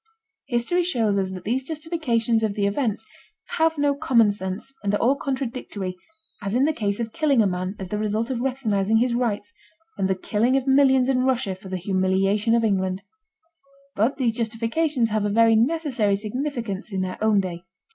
History shows us that these justifications of the events have no common sense and are all contradictory, as in the case of killing a man as the result of recognizing his rights, and the killing of millions in Russia for the humiliation of England. But these justifications have a very necessary significance in their own day.